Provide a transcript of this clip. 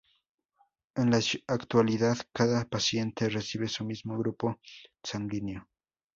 En la actualidad, cada paciente recibe su mismo grupo sanguíneo.